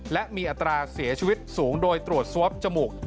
และมีอัตราเสียชีวิตสูงโดยตรวจซวบจมูก